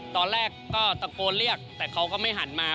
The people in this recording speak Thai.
ตอนแรกก็ตะโกนเรียกแต่เขาก็ไม่หันมา